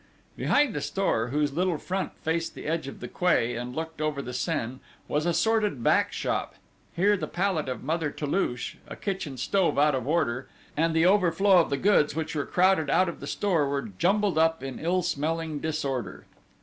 Behind the store, whose little front faced the edge of the quay and looked over the Seine, was a sordid back shop: here the pallet of Mother Toulouche, a kitchen stove out of order, and the overflow of the goods which were crowded out of the store were jumbled up in ill smelling disorder.